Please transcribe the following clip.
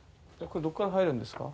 これどっから入るんですか？